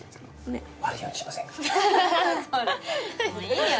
もういいよ。